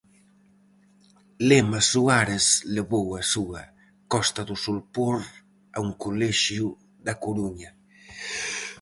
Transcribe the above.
Lema Suárez levou a súa "Costa do solpor" a un colexio da Coruña.